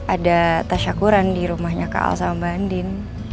ada tersyakuran di rumahnya kak al sama mbak andin